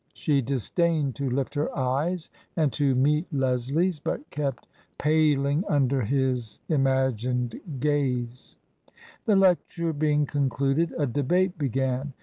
She disdained to lift her eyes and to meet Leslie's, but kept paling under his imagined gaze. The lecture being concluded, a debate began.